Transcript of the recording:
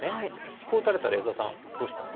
こう打たれたら安田さんどうします？